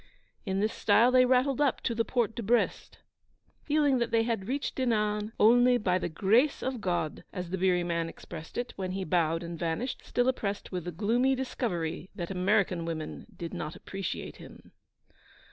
In this style they rattled up to the Porte de Brest, feeling that they had reached Dinan 'only by the grace of God,' as the beery man expressed it, when he bowed and vanished, still oppressed with the gloomy discovery that American women did not appreciate him.